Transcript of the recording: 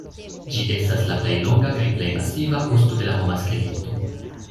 Ĝi estas la plej longa kaj plej masiva osto de la homa skeleto.